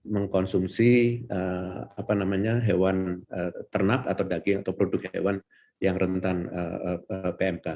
mengkonsumsi hewan ternak atau daging atau produk hewan yang rentan pmk